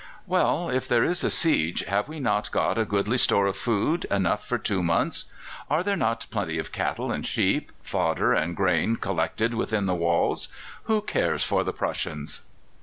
"Well, if there is a siege, have we not got a goodly store of food enough for two months? Are there not plenty of cattle and sheep, fodder and grain collected within the walls? Who cares for the Prussians?"